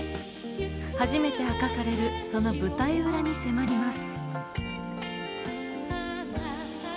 初めて明かされるその舞台裏に迫ります。